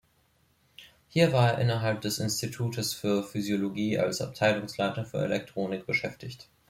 Hier war er innerhalb des Institutes für Physiologie als Abteilungsleiter für Elektronik beschäftigt.